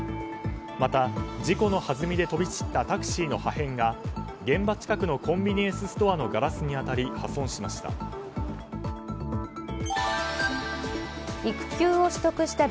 また、事故のはずみで飛び散ったタクシーの破片が現場近くのコンビニエンスストアのガラスに当たり破損しました。